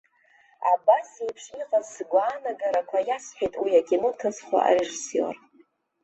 Абасеиԥш иҟаз сгәаанагарақәа иасҳәеит уи акино ҭызхуа арежиссиор.